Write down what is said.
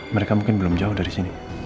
mereka mungkin belum jauh dari sini